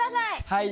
はい。